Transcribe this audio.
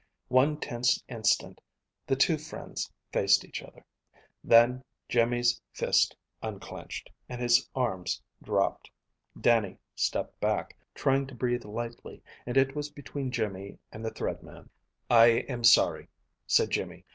One tense instant the two friends faced each other. Then Jimmy's fist unclenched, and his arms dropped. Dannie stepped back, trying to breathe lightly, and it was between Jimmy and the Thread Man. "I am sorry," said Jimmy.